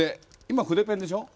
今筆ペンでしょ？